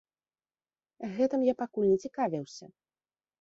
Гэтым я пакуль не цікавіўся.